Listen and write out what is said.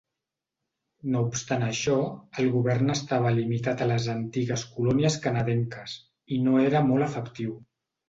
No obstant això, el govern estava limitat a les antigues colònies canadenques, i no era molt efectiu.